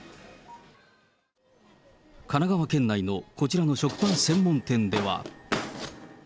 神奈川県内のこちらの食パン専門店では。